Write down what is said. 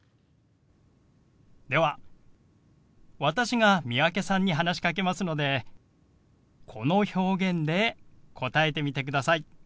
では私が三宅さんに話しかけますのでこの表現で答えてみてください。